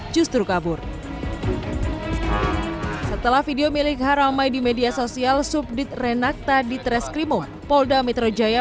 justru kabur setelah video milik haramai di media sosial subdit renak tadi treskrimo polda metro jaya